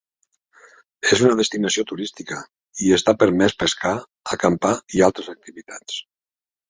És una destinació turística, i està permès pescar, acampar i altres activitats.